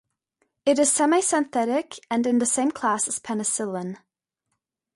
It is semisynthetic and in the same class as penicillin.